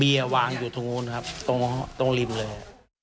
เบียร์วางอยู่ตรงโน้นครับตรงตรงลิมเลย